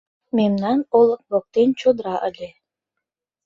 Мемнан олык воктен чодыра ыле.